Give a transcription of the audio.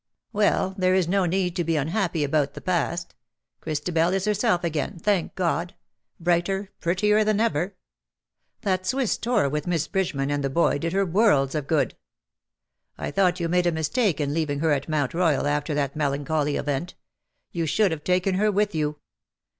'' "Wellj there is no need to be unhappy about the past. Christabel is herself again^ thank God — brighter, prettier than ever. That Swiss tour with Miss Bridgeman and the boy did her worlds of good. I thought you made a mistake in leaving her at Mount Boyal after that melancholy event. You should have taken her with you."